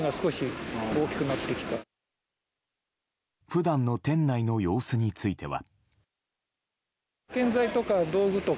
普段の店内の様子については。